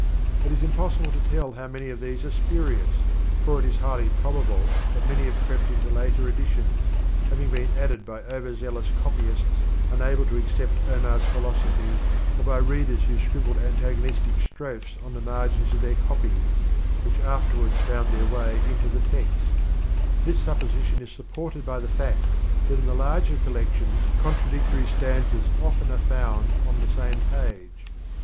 It is impossi ble to tell how many of these are spurious, for it is highly probable that many have crept into later editions, having been added by over zealous copy ists unable to accept Omar's philosophy, or by readers who scribbled antagonistic strophes on the margins of their copies, which afterwards found their way into the text ; this supposition is sup ported by the fact that in the larger collections contradictory stanzas often are found on the same page.